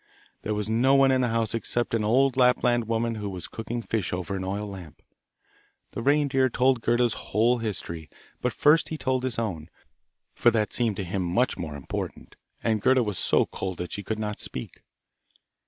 There was no one in the house except an old Lapland woman who was cooking fish over an oil lamp. The reindeer told Gerda's whole history, but first he told his own, for that seemed to him much more important, and Gerda was so cold that she could not speak.